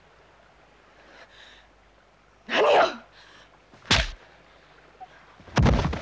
何よ！